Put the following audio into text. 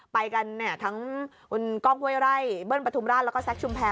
ไปกันเนี่ยทั้งคุณก้องห้วยไร่เบิ้ลปฐุมราชแล้วก็แซคชุมแพร